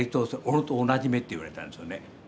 俺と同じ目」って言われたんですよね。